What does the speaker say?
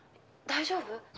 大丈夫？」